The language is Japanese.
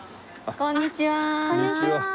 こんにちは。